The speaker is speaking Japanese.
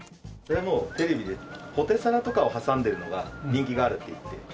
テレビでポテサラとかを挟んでるのが人気があるっていって。